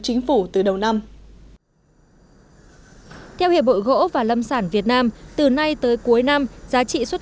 chính phủ từ đầu năm theo hiệp hội gỗ và lâm sản việt nam từ nay tới cuối năm giá trị xuất